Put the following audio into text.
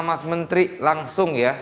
mas menteri langsung ya